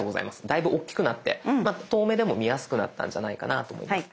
だいぶ大きくなって遠目でも見やすくなったんじゃないかなと思います。